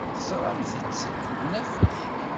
Teẓramt-t deg unafag.